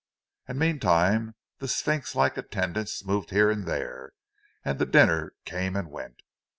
And, meantime, the sphinx like attendants moved here and there, and the dinner came and went.